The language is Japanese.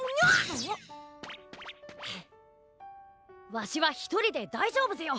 ワシはひとりでだいじょうぶぜよ！